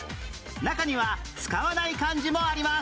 中には使わない漢字もあります